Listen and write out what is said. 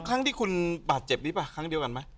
ครั้งที่คุณบาดเจ็บหรือเปล่าครั้งเดียวกันไหม